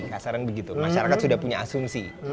masyarakat sudah punya asumsi